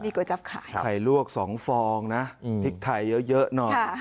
มีก๋วยจั๊บขายไข่ลวกสองฟองนะอืมพริกไทยเยอะเยอะหน่อยค่ะ